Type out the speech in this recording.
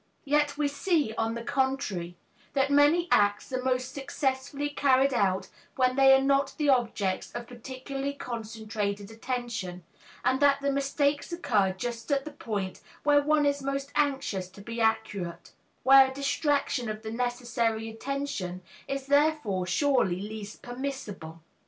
Yet we see, on the contrary, that many acts are most successfully carried out when they are not the objects of particularly concentrated attention, and that the mistakes occur just at the point where one is most anxious to be accurate where a distraction of the necessary attention is therefore surely least permissible.